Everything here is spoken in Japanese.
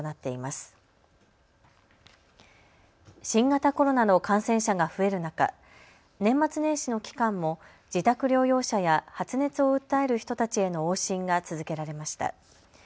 新型コロナの感染者が増える中、年末年始の期間も自宅療養者や発熱を訴える人たちへの往診が続けられました。